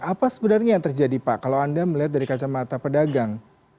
apa sebenarnya yang terjadi pak kalau anda melihat dari kacamata pedagang